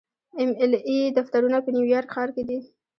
د ایم ایل اې دفترونه په نیویارک ښار کې دي.